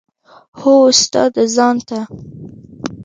هو استاده ځان ته.